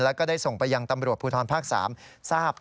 แล้วก็ได้ส่งไปยังตำรวจภูทรภาค๓ทราบ